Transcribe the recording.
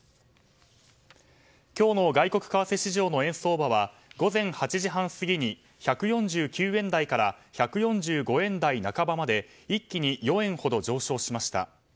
今日の外国為替市場の円相場は午前８時半過ぎに１４９円台から１４５円台半ばまで一気に４円ほど上昇しました。